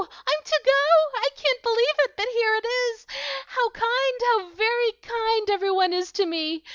I'm to go! I can't believe it but here it is! How kind, how very kind, every one is to me!"